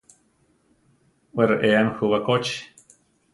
Wé reéami jú bakóchi.